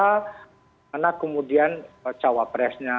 karena kemudian cawapresnya